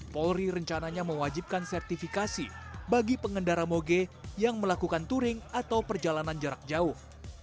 polri rencananya mewajibkan sertifikasi bagi pengendara moge yang melakukan touring atau perjalanan jarak jauh